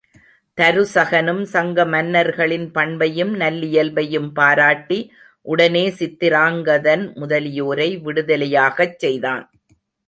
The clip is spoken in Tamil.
தருசகனும் சங்க மன்னர்களின் பண்பையும் நல்லியல்பையும் பாராட்டி உடனே சித்திராங்கதன் முதலியோரை விடுதலையாகச் செய்தான்.